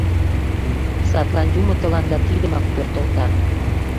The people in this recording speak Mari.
Садлан Юмо тыланда тидымак пӧртылта.